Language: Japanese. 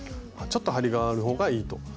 ちょっと張りがある方がいいと。